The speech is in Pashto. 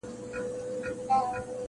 لا تر اوسه پر کږو لارو روان یې,